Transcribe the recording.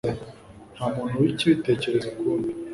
nta muntu ukibitekereza ukundi